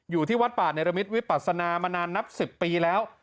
อยู่ที่วัดป่าเนรมิตวิปัสนามานานนับ๑๐ปีแล้ว